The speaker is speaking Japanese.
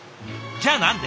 じゃあ何で？